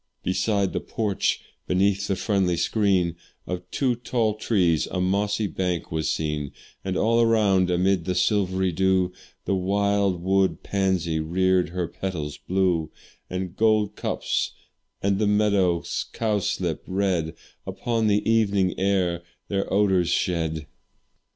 Beside the porch, beneath the friendly screen Of two tall trees, a mossy bank was seen; And all around, amid the silvery dew, The wild wood pansy rear'd her petals blue; And gold cups and the meadow cowslip red, Upon the evening air their odours shed.